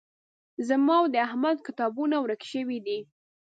زما او د احمد کتابونه ورک شوي دي